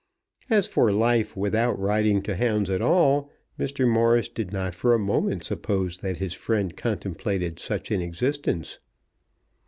As for life without riding to hounds at all, Mr. Morris did not for a moment suppose that his friend contemplated such an existence.